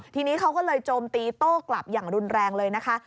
ทีนี้เขาก็เลยโจมตีโต้กลับอย่างรุนแรงเลยนะคะ